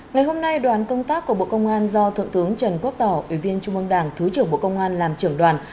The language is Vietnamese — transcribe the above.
ngày hôm nay đoàn công tác của bộ công an do thượng tướng trần quốc tỏ ủy viên trung ương đảng thứ trưởng bộ công an làm trưởng đoàn